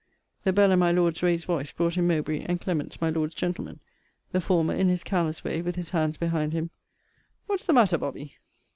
The bell and my Lord's raised voice brought in Mowbray, and Clements, my Lord's gentleman; the former in his careless way, with his hands behind him, What's the matter, Bobby?